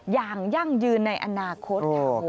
ยางยั่งยืนในอนาคต